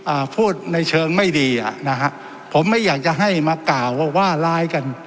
อ่าพูดในเชิงไม่ดีอ่ะนะฮะผมไม่อยากจะให้มากล่าวว่าว่าร้ายกัน